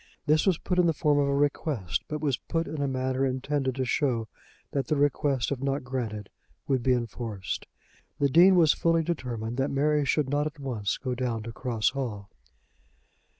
This was put in the form of a request; but was put in a manner intended to show that the request if not granted would be enforced. The Dean was fully determined that Mary should not at once go down to Cross Hall.